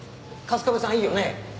春日部さんいいよね？